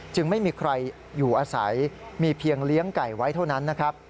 ไม่มีใครอยู่อาศัยมีเพียงเลี้ยงไก่ไว้เท่านั้นนะครับ